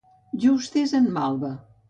Just és en Malva.